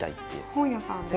本屋さんですか？